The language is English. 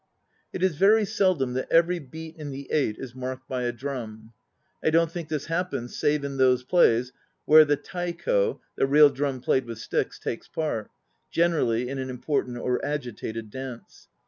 "It is very seldom that every beat in the eight is marked by a drum. I don't think this happens save in those plays where the taiko (the real drum played with sticks) takes part, generally in an important or agitated dance.